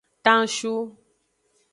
Tanshu.